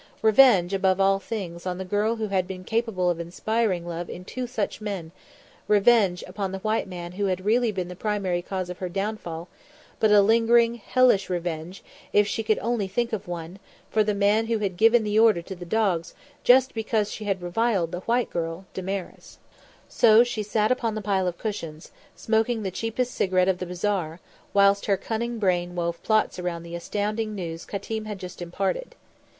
Revenge, above all things, on the girl who had been capable of inspiring love in two such men; revenge on the white man who had really been the primary cause of her downfall, but a lingering, hellish revenge, if she could only think of one, for the man who had given the order to the dogs just because she had reviled the white girl, Damaris. So she sat on the pile of cushions, smoking the cheapest cigarette of the bazaar, whilst her cunning brain wove plots around the astounding news Qatim had just imparted.